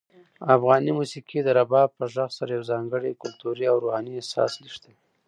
افغاني موسیقي د رباب په غږ سره یو ځانګړی کلتوري او روحاني احساس لېږدوي.